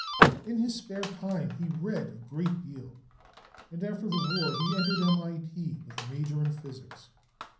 In his spare time he read a great deal, and after the war he entered M.I.T. with a major in physics.